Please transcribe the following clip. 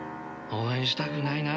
応援したくないな。